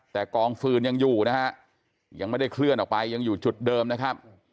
แต่กองฟืนยังอยู่นะฮะยังไม่ได้เคลื่อนออกไปยังอยู่จุดเดิมนะครับ